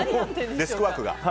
デスクワークが。